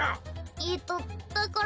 えっとだから。